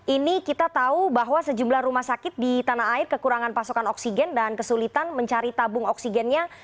ini kita tahu bahwa sejumlah rumah sakit di tanah air kekurangan pasokan oksigen dan kesulitan mencari tabung oksigennya